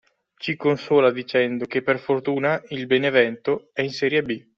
Ci consola dicendo che per fortuna il Benevento è in serie B.